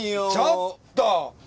ちょっと！